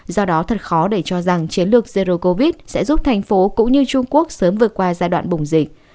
do đó thật khó để cho rằng chiến lược zero covid sẽ giúp thành phố cũng như trung quốc sớm vượt qua giai đoạn bùng dịch